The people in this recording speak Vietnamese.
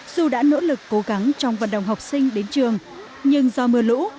dù đã nỗ lực cố gắng trong vận động học sinh đến trường nhưng do mưa lũ